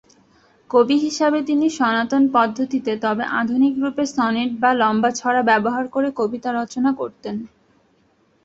কবি হিসাবে তিনি সনাতন পদ্ধতিতে তবে আধুনিক রূপে সনেট বা লম্বা ছড়া ব্যবহার করে কবিতা রচনা করতেন।